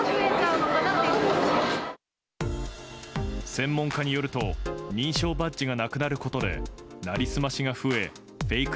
専門家によると認証バッジがなくなることでなりすましが増えフェイク